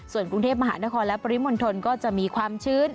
ส่วนกรุงเทพมหานครและปริมณฑลก็จะมีความชื้น